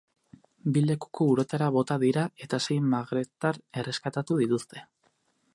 Bi lekuko uretara bota dira eta sei magrebtar erreskatatu dituzte.